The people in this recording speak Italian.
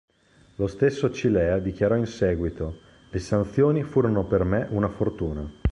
Lo stesso Cilea dichiarò in seguito "Le sanzioni furono per me una fortuna".